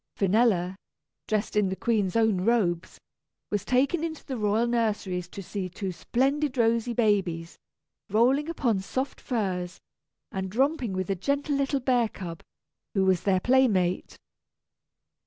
Finella, dressed in the Queen's own robes, was taken into the royal nurseries to see two splendid rosy babies, rolling upon soft furs, and romping with a gentle little bear cub, who was their playmate. [Illustration: _The princes & their playmate.